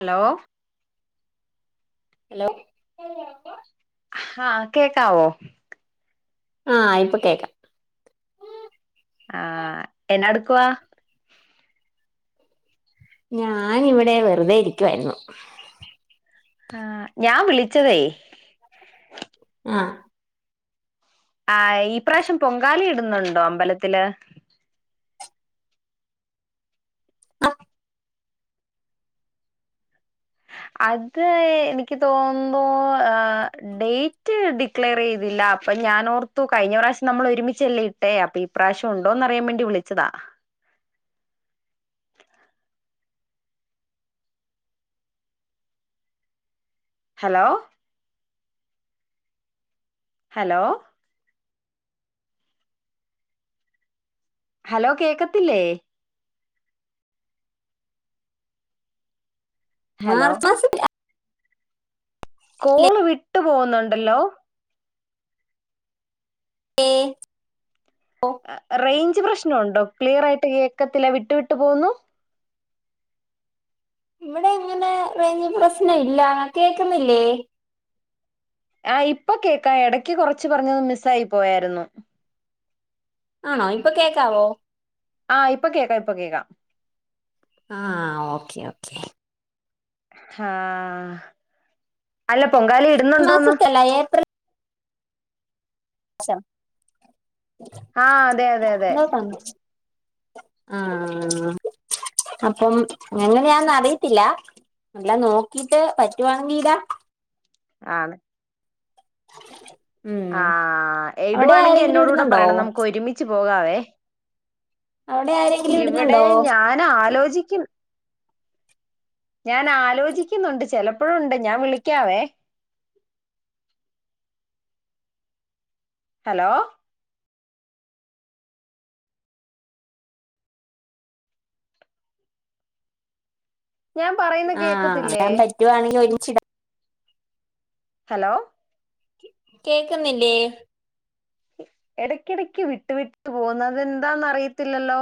Hello- hello- ആ കേക്കാവോ- ആ ഇപ്പം കേക്കാം- വാ- ഞാനിവിടെ വെറുതെ ഇരിക്കുവാരുന്നു- ആ ഞാൻ വിളിച്ചതേ- ആ ആ ഈ പ്രാശം പൊങ്കാലി ഇടുന്നുണ്ടോ അമ്പലത്തില് ആ അത് എനിക്ക് തോന്നോ ആ ഡേറ്റ് ഡിക്ലെയർ ചെയ്തില്ല അപ്പൊ ഞാാനോർത്തു കഴിഞ്ഞ പ്രാവശ്യം നമ്മൾ ഒരുമിച്ചല്ലേ ഇട്ടേ അപ്പൊ ഇപ്രാവശ്യം ഉണ്ടോന്ന് അറിയാൻ വേണ്ടി വിളിച്ചതാ ഹലോ ഹലോ ഹലോ കേക്കത്തില്ലേ മാർ ഹലോ പ [unintelligible] കോള് വിട്ട് പോന്നുണ്ടല്ലോ ഏ റേയ്ഞ്ച് പ്രശ്നമുണ്ടോ ക്ലിയർ ആയിട്ട് കേക്കത്തില്ല വിട്ടു വിട്ടു പോവുന്നു ഇവിടെ ഇങ്ങനെ റേജ് പ്രശ്നം ഇല്ല കേക്കുന്നില്ലേ ആ ഇപ്പൊ കേക്കാ ഇടക്ക് കൊറച്ച് പറഞ്ഞന്ന് മിസ് ആയി പോയായിരുന്നു ആണോ ഇപ്പൊ കേക്കാവോ ആ ഇപ്പൊ കേക്കാം ഇപ്പൊ കേക്കാം ആഹ് ഓക്കെ ഓക്കേ ആഹ് അല്ല പൊങ്കാല ഇടുന്നുണ്ടോന്ന് മാസത്തല്ല അം [unintelligible] ആഹ് അതെ അതെ അതെ ആഹ് അപ്പം അങ്ങനെ ആന് അറിയത്തില്ല എല്ലാം നോക്കീട്ട് പറ്റുവാനെങ്കി ഇടാം ആ ഉം ആഹ് അവിടെ എടുവാണെങ്കിൽ ആരെങ്കിലും എന്നോട് കൂടെ ഇടുന്നുണ്ടോ പറയണം നമുക്ക് ഒരുമിച്ച്- പോകാവേ അവിടെ ആരെങ്കിലും ഇവിടെ ഇടുന്നുണ്ടോ ഞാൻ ആലോചിക്കും ഞാൻ ആലോചിക്കുന്നുണ്ട് ചെപ്പോഴുണ്ട് ഞാൻ വിളിക്കാവേ ഹലോ ഞാൻ പറയുന്ന ആഹ് കേക്കത്തില്ലേ ഞാൻ പറ്റുവാണെങ്കിൽ ഒരു ഹലോ കേക്കുന്നില്ലേ ഇടക്കിടക്ക് വിട്ട് വിട്ട് പോകുന്നത എന്താന്ന അറിയത്തില്ലല്ലോ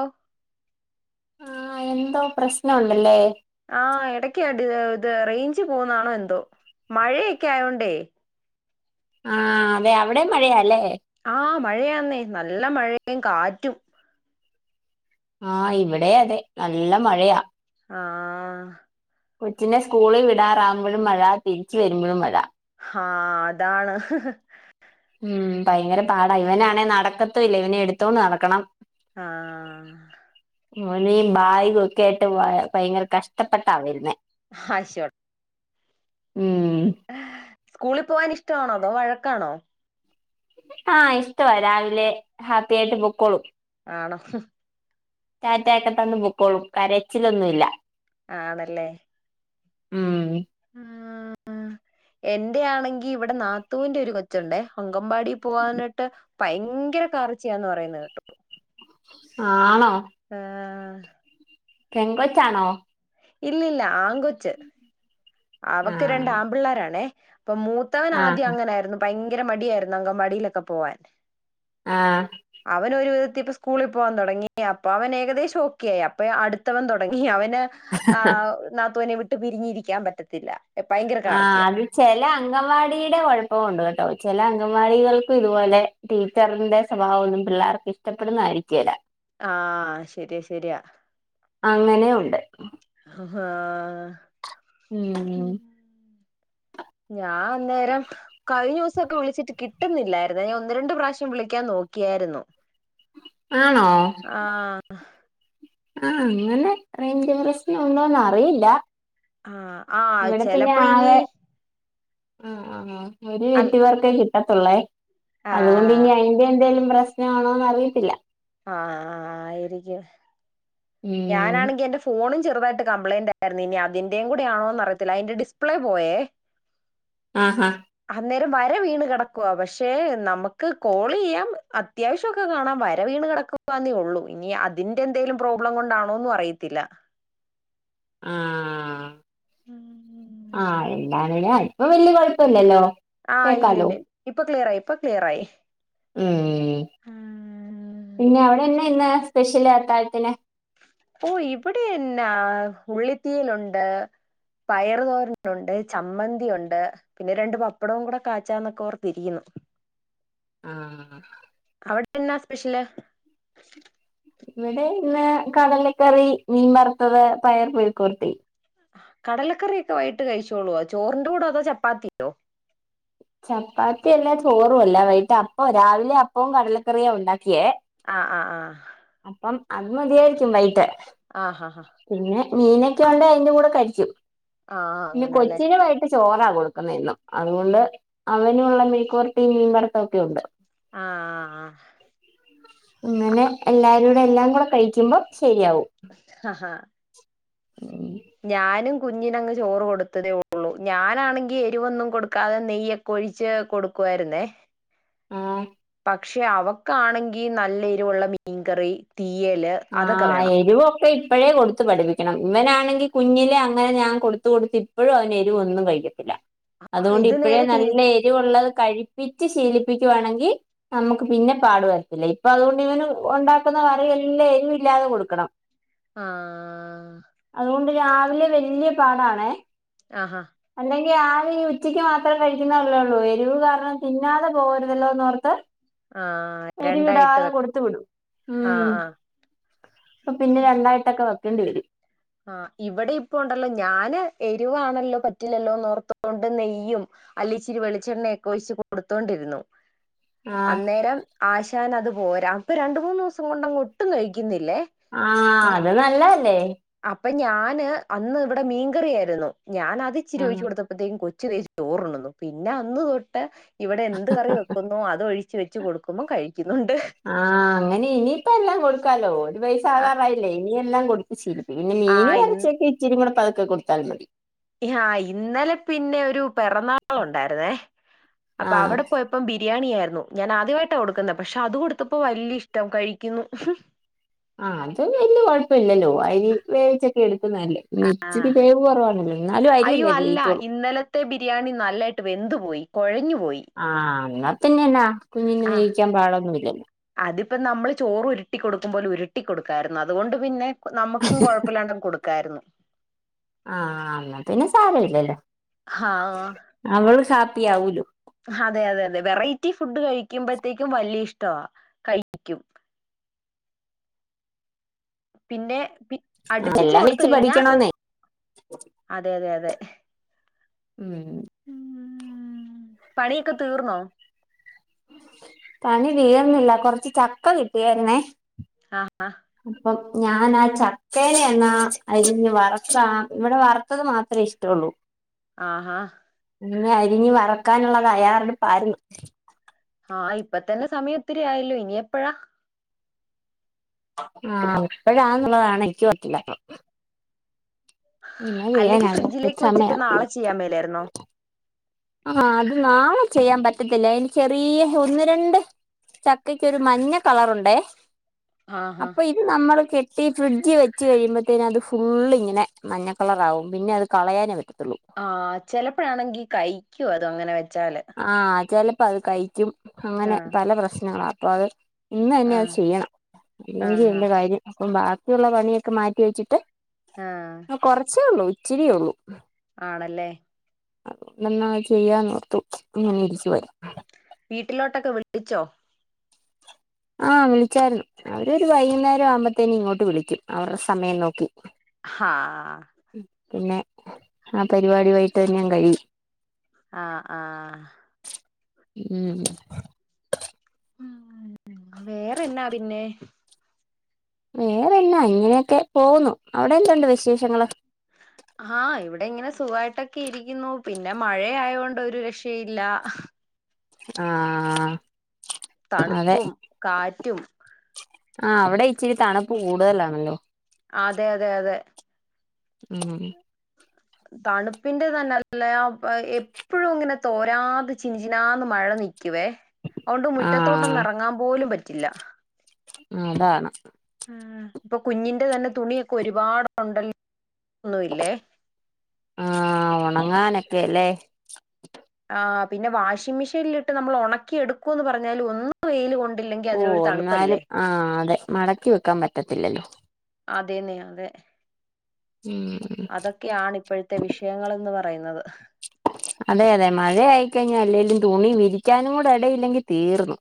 ആഹ് എന്തോ പ്രശ്നുണ്ടല്ലേ ആഹ് എടക്ക് ഇത് റേഞ്ച് പോകുന്നാണോ എന്തോ മഴയൊക്കെ ആയോണ്ടേ ആഹ് അതെ അവിടെ മഴയാല്ലേ ആഹ് മഴയാന്നേ നല്ല മഴയും കാറ്റും ആഹ് ഇവിടെ അതെ നല്ല മഴയാ ആഹ് കൊച്ചിനേ സ്കൂളിൽ വിടാറാകുമ്പോഴും മഴ തിരിച്ചു വരുമ്പോഴും മഴ ആഹ് അതാണ് ഉം ഭയങ്കര പാടാ ഇവനാണെങ്ക നടക്കത്തല്ല ഇവനെ എടുത്തോണ്ട് നടക്കണം ആഹ് ഓനീ ബായ്ഗ് ഒക്കെ ഇട്ട് വയ ഭയങ്കര കഷ്ടപ്പെട്ട വരുന്നെ ഹശോട ഉം സ്കൂളിൽ പോവാൻ ഇഷ്ടവാണോ അതോ വഴ ക്കാണോ ആഹ് ഇഷ്ടവാ രാവിലെ ഹാപ്പി ആയിട്ട് പൊക്കോളും ആണോ ഹ് ടാറ്റയൊക്കെ തന്ന് പൊക്കോളും കരച്ചിലൊന്നുമില്ല ആണല്ലേ ഉം മ് മ് എന്റെ ആണെങ്കി ഇവിടെ നാ ത്തൂന്റെ ഒരു കൊച്ചുണ്ടേ അങ്കമ്പാടി പോവാനായിട്ട് ഭയങ്കര കാറിച്ചിയാന്ന് പറയുന്നെ കേട്ടു ആഹ് ആണോ? ആഹ് പെങ്കൊച്ചാണോ ഇല്ല ഇല്ല ആൺ കൊച്ച് അവക്ക് രണ്ട് ആഹ് ആൺപിള്ളേരാണേ ഇപ്പൊ മൂത്തവൻ ആദ്യം ആഹ് അങ്ങനെയായിരുന്നു ഭയ ങ്കര മടിയായിരുന്നു അങ്കംവാടിയിലൊക്കെ പോവാൻ ആഹ് അവനൊരു ത്തിപ്പ സ്കൂളിൽ പോകാൻ തുടങ്ങി അപ്പൊ അവൻ ഏകദേശം ഓക്കെയായി അപ്പ അടുത്തവൻ തുടങ്ങി അവന് ആ നാതൂനെ വി പിരിഞ്ഞിയിരിക്കാൻ പറ്റത്തില്ല ഭയങ്കര ആ കാർജിയ അത് ചെല അംഗവാടിയുടെ കൊഴപ്പം ഉണ്ട് കേട്ടോ ചെല അംഗവാടികൾക്കും ഇതുപോലെ ടീച്ചറിന്റെ സ്വഭാവം ഒന്നും പിള്ളേർക്ക് ഇഷ്ടപ്പെടുന്നതായിരിക്കേല ആ ശരിയ ശരിയാ അങ്ങനെയുണ്ട് ഹ ഹാ ഉം മ് ഞാൻ അന്നേരം കഴിഞ്ഞ ദിവസൊക്കെ വിളിച്ചിട്ട് കിട്ടുന്നില്ലായിരുന്നു. ഞാൻ ഒന്ന് രണ്ട് പ്രാവശ്യം വിളിക്കാൻ നോക്കിയായിരുന്നു ആ ആ അങ്ങനെ റേഞ്ച് പ്രശ്നം ഉണ്ടോന്ന് അറിയില്ല ആ ആ ഇവിടെ പിന്നെ ചെലപ്പോ ഇനി ആകെ ആഹ് ആഹ് ആഹ് ഒരു അൽ എട്ട് വർക്ക് കി പത്തുള്ളെ അതുകൊണ്ട് ആഹ് ഇനി അതിന്റെ എന്തെലും പ്ര പ്രശ്നം ആണോന്ന് അറിയത്തില്ല ആ ആയിരിക്കും ഉം ഞാനാണെങ്കിൽ എന്റെ ഫോണി ചെറുതായിട്ട് കംപ്ലയിന്റ് അയാരുന്നു ഇനി അതിന്റെയും കൂടെ ആണോന്ന് അറിയത്തില്ല അതിന്റെ ഡിസ്പ്ലേ പോയേ ആഹാ അന്നേരം വര വീണ് കിടക്കാ പക്ഷെ നമുക്ക് കോൾ ചെയ്യാം അത്യാവശ്യം ഒക്കെ കാണാൻ വ ര വീണ് കിടക്കന്നേ ഉള്ളൂ ഇനി അതിൻ്റെ എന്തേലും പ്രോബ്ലം കൊണ്ടാണോന്നും അറിയത്തില്ല ആഹ് ഉം. ആ എല്ലാ എടാ ഇപ്പം വലിയ കുഴപ്പമില്ലല്ലോ ആ ഇല്ല ഇല്ല ഇപ്പൊ ക്ലിയർ ആയി ഇപ്പൊ ക്ലിയറായി ഉം ഉം പിന്നെ അവിടെയെന്നാ ഇന്ന് സ്പെഷ്യലി അത്താഴത്തിന് ഓ ഇവിടെയന്നാ ഉള്ളിത്തീയലുണ്ട് പയറ് തോരനുണ്ട് ചമ്മന്തിയുണ്ട് പിന്നെ രണ്ട് പപ്പടവും കൂടെ കാച്ചന്നൊക്കെ ഓർത്തിരിക്കുന്നു ആ അവിടെ എന്നാ സ്പെഷ്യല് ഇവിടെ ഇന്ന് കടലക്കറി മീൻ വറുത്തത് പയർ മെഴുക്കുവരട്ടി കടലക്കറിക്കെ വൈകിട്ട് കഴിച്ചോളൊ ചോറിന്റെ കൂടെ അതോ ചപ്പാത്തിയോ ചപ്പാത്തിയല്ലാ ചോറു അല്ലാ വൈകിട്ട് അപ്പാ രാവിലെ അപ്പവും കടലക്കറിയുണ്ടാ ആ ആ ആ അപ്പം അത് മതിയായിരിക്കും വൈയിട്ട് ആഹ് ഹാ ഹാ മീനക്കെയുണ്ടെ അതിന്റെ കൂടെ കഴിക്കും ആ പിന്നെ അങ്ങനെല്ലേ കൊച്ചിന് വൈകിട്ട് ചോറാ കൊടുക്കുന്നെ എന്നും അതുകൊണ്ട് അവനുള്ള മെഴുക്കുവര്ട്ടിയും മീൻവറ്ത്തൊക്കെയുണ്ട് ആഹ് ഇങ്ങനെ എല്ലാരും എല്ലാം കൂടെ കഴിക്കുമ്പോ ശരിയാവും ആഹ് ഞാനും കുഞ്ഞിനങ്ങ് ചോറ് കൊടുത്തതേ ഉള്ളൂ. ഞാനാണെങ്കി എരിവൊന്നും കൊടുക്കാതെ നെയ്യൊക്കെ ഒഴിച്ച് കൊടുക്കുവായിരുന്നേ ആ പക്ഷെ അവക്കാണെങ്കി നല്ല എരിവുള്ള മീൻകറി തീയല് അതൊക്കെ ആഹ് വേണം എരുവൊക്കെ ഇ ഇപ്പഴേ കൊടുത്ത് പഠിപ്പിക്കണം ഇവനാണെങ്കി കുഞ്ഞിലെ അങ്ങനെ ഞാൻ കൊടുത്ത് കൊടുത്ത് ഇപ്പഴും അവന് എരിവ് ഒന്നും കഴിക്കത്തില്ല ആ, അതുകൊണ്ട് ഇത് ഇപ്പഴേ നേരെ തിരി നല്ല എരിവുള്ളത് കഴിപ്പിച്ച് ശീലിപ്പിക്കുവാണെങ്കി നമുക്ക് പിന്നെ പാടു വരുത്തില്ല. ഇപ്പ അതുകൊണ്ട് ഇവന് ഉ ഉണ്ടാക്കുന്ന കറിഎ ഇല്ല എരുവില്ലാതെ കൊടുക്കണം ആഹ് അതുകൊണ്ട് രാവിലെ വല്യ പാടണേ ആ ആ ട്ടി ആകെ ഈ ഉച്ചക്ക് മാത്രം കഴിക്കുന്നോല്ലൊള്ളൂ. എരിവ് കാരണം തിന്നാതെ പോകരുതല്ലോ ന്നോർത്ത് ആഹ് രണ്ടായിട്ട് എരിവിടാതെ വെക്ക കൊടുത്തു വിടും ഉം ആഹ് ആഹ് പ്പൊ പിന്നെ രണ്ടായിട്ടൊക്കെ വെക്കും ടണ്ടി വരു ആ ഇവിടെ ഇപ്പ ഉണ്ടല്ലോ ഞാന് എരിവാണല്ലോ പറ്റില്ലല്ലോ നോർത്തോണ്ട് നെയ്യും അല്ല ഇച്ചിരി വെളിച്ചെണ്ണയൊക്കെ ഒഴിച്ച് കൊടുത്തോണ്ടിരുന്നു ആഹ് അന്നേരം ആശാൻ അത് പോരാ അപ്പൊ രണ്ട് മൂന്ന് ദിവസം കൊണ്ട് അങ്ങോട്ടും കഴിക്കുന്നില്ല ആ അത് നല്ലതല്ലേ അപ്പൊ ഞാന് അന്ന് ഇവിടെ മീൻകറിയായിരുന്നു ഞാന് അത് ഇിച്ചിരി ഉം ഉഴിച്ച് കൊടുത്തപ്പത്തേക്കും കൊച്ച ചെറിയ ചോറുണ്ണുന്നു പിന്നെ അന്ന് തൊട്ടെ കൊടുക്കുമ്പോ കഴിക്കുന്നുണ്ട് ആ അങ്ങനെ ഇനിപ്പ എല്ലാം കൊടുക്കാലോ ഒരു വയസ്സാകാറായില്ലേ ഇനി എല്ലാം കൊടുക്കുത്ത് ശീലി പിന്നെ ആ മീനും ഇ- ഇറച്ചിക്കെ ഇച്ചിരി കൂടെ പ ഒക്കെ കൊടുത്താൽ മതി ആ ഇന്നലെ പിന്നെ ഒരു പിറന്നാളുണ്ടായിരുന്നേ അപ്പ ആഹ് അവിടെ പോയപ്പം ബിരി ബിരിയാണി ആയിരുന്നു ഞാൻ ആദ്യമായിട്ടാ കൊടുക്കുന്ന പക്ഷെ അത് കൊടുത്തപ്പ വലിയ ഇഷ്ടം കഴിക്കുന്നു ആ അത് വലിയ കുഴപ്പമില്ലല്ലോ അരി വേവിച്ചൊക്കെ എടു ആ എന്നാലും അയ്യോ അരിയല്ലേ അല്ല വേവിച്ചോളൂ ഇന്നലത്തെ ബിരിയാണി നല്ലായിട്ട് വെന്ത് പോയി കുഴഞ്ഞു പോയി ആഹ് അങ്ങ പിന്നെന്ന? കുഞ്ഞിന് ദഹിക്കാൻ പാടൊന്നി [unintelligible] അതിപ്പം നമ്മള് ചോറ് ഉരുട്ടി കൊടുക്കുംപോല് ഉരുട്ടി കൊടുക്കായിരുന്നു അതുകൊണ്ട് പിന്നെ നമുക്കും കുഴപ്പില്ലാണ്ടും കൊടു ക്കായിരുന്നു ആഅ ന്നാ പിന്നെ സാരയില്ലല്ലോ ഹാ അവള് ഹാപ്പി ആവൂലൊ അതെ അതെ അതെ വെറൈറ്റി ഫുഡ് കഴിക്കുമ്പഴ്ത്തേക്കും വലിയ ഇഷ്ടവാ കഴിക്കും പിന്നെ പി ആ അടുപ്പിച്ച് എല്ലാം കൊടുത്ത് വെച്ച് കഴിഞ്ഞാ പഠിക്കണോന്നെ അതെ അതെ അതെ ഉം പണിയൊക്കെ തീർന്നോ? പണി വീർന്നില്ല കൊറച്ച് ചക്ക കിട്ടിയാരുന്നേ ആ ആ അപ്പം ഞാനാ ചക്കേനെ എന്നാ അരിഞ്ഞ് വറുക്കാം ഇവിടെ വറുത്തത് മാത്രേ ഇഷ്ടള്ളൂ ആഹാ ഇന്ന് അരിഞ്ഞു വറക്കാനുള്ള തയ്യാറടുപ്പാരുന്നു ആ ഇപ്പ തന്നെ സമയം ഒത്തിരി ആയല്ലോ ഇനി എപ്പഴാ? ആ എപ്പഴാനുള്ളതാണ് [unintelligible] പറ്റില്ല ട്ടോ അല്ലെങ്കി ഒരു ഫ്രിഡ്ജിലേക്ക് വച്ചിട്ട് സമയം നാളെ ചെയ്യാൻ മേലായിരുന്നോ ആ അത് നാളെ ചെയ്യാൻ പറ്റത്തില്ല അതിന് ചെറിയ ഒന്ന് രണ്ട് ചക്കയ്ക്കൊരു മഞ്ഞ കളറുണ്ടേ ആഹാ അപ്പൊ ഇത് നമ്മള് കെട്ടി ഫ്രിഡ്ജി വെച്ച് കഴിയുമ്പോത്തേന അത് ഫുള്ളിങ്ങനെ മഞ്ഞക്കളറാവും പിന്നെ അത് കളയാനേ പറ്റു ആ ചെലപ്പോഴാണെങ്കി കൈ ക്കുവാ അത് അങ്ങനെ വെ ആ ചെല പത് കഴിക്കും. ആ അങ്ങനെ പല പ്രശ്നങ്ങളാ [unintelligible] ഇന്ന് തന്നെ ആ അത് ചെയ്യണം. ഇല്ലെങ്കി ആഹാ എന്റെ കാര്യം അപ്പം ബാക്കിയുള്ള പണിയൊക്കെ മാറ്റിവെച്ചിട്ട് ആ കുറച്ചേ ഉള്ളൂ ഇച്ചിരി ഉള്ളൂ ആണല്ലേ അ നന്നാ ചെയ്യാന്നോർത്തു ഇങ്ങനെ ഇരിക്കു [unintelligible] വീട്ടിലോട്ടൊക്കെ വിളിച്ചോ ആ വിളിച്ചായിരുന്നു അവരരു വൈകുന്നേരം അവര് ഒരു വൈകുന്നേരം ആവുമ്പോത്തേന് ഇങ്ങോട്ട് വിളിക്കും അവരുടെ സമയം നോക്കി ഹാ പിന്നെ ആ പരിപാടി വൈകിട്ട് തന്നെ അങ്ങ് കഴിയും ആ ആ ഉം വേറെന്നാ പിന്നെ വേറെന്നാ ഇങ്ങനെയൊക്കെ പോവുന്നു അവിടെ എന്തുണ്ട് വിശേഷങ്ങള് ഹാ ഇവിടെ ഇങ്ങനെ സുഖായിട്ടൊക്കെ ഇരിക്കുന്നു പിന്നെ മഴ ആയകൊണ്ട് ഒരു രക്ഷയില്ല. ആഹ് അതെ തണുപ്പും, കാറ്റും, ആ അവിടെ ഇച്ചിരി തണുപ്പ് കൂടുതലാണല്ലോ? അതെ അതെ അതെ. ഉം തണുപ്പിന്റെ തന്നെ അല്ല ആ പാ എപ്പോഴും ഇങ്ങനെ തോരാതെ ചിൻചിനാന്ന് മഴ നി കുവേ അതൊണ്ട് ആഹ് മുറ്റത്തോട്ടൊന്ന് ഇറങ്ങാൻ പോലും പറ്റ് പറ്റില്ല ആഹ് അതാണ് ആഹ് ഇപ്പൊ കുഞ്ഞിന്റെ തന്നെ തുണിയൊക്കെ ഒരുപാട് ഉണ്ടല്ലോ ഒന്നുമില്ലേ ആഹ് ഉണങ്ങാന വെലെ ആ പിന്നെ വാഷിംഗ് മെഷീനിലിട്ട് നമ്മൾ ഉണക്കിയെടുക്കുമെന്ന് പറഞ്ഞാലും ഒന്നു വെയിൽ കൊണ്ടി ഓ എന്നാലും ആ അതെ മടക്കി വെക്കാൻ പറ്റത്തില്ലല്ലോ അതെന്നെ അതെ ഉം അതൊക്കെയാണ് ഇപ്പോഴത്തെ വിഷയങ്ങൾ എന്ന് പറയുന്നത് അതെ അതെ മഴ ആയിക്കഴിഞ്ഞാൽ അല്ലേലും തുണി വിരിക്കാനും കൂടെ ഇടയില്ലെങ്കിൽ തീർന്നു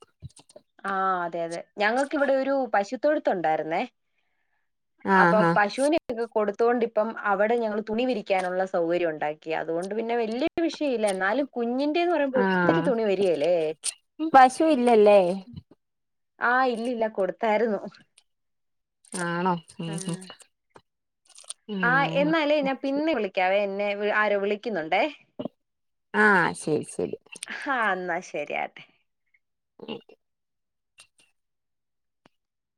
തൊഴുത്തുണ്ടായിരുന്നേ അപ്പൊ ആഹാ പശുവിനൊക്കെ കൊടുത്ത് തോണ്ടിപ്പം അവിടെ ഞങ്ങൾ തുണി വിരിക്കാനുള്ള സൗകര്യം ഉണ്ടാക്കി അതുകൊണ്ട് പിന്നെ വലിയ വിഷയമില്ല എന്നാലും കുഞ്ഞി ആഹ് പശു ഇല്ല അല്ലെ? ആ ഇല്ലി ല്ല കൊടുത്തായിരുന്നു ആണോ ഹും ഹു ആ എന്നാലേ ഞാൻ പിന്നെ വിളിക്കാവേ ആരോ വിളിക്കുന്നുണ്ട് ആ ശരി ശരി ആഹ് എന്നാ ശരിയാട്ടെ ഒക്കെ